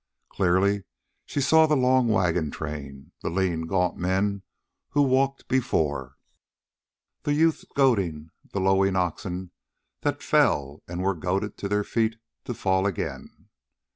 Clearly she saw the long wagon train, the lean, gaunt men who walked before, the youths goading the lowing oxen that fell and were goaded to their feet to fall again.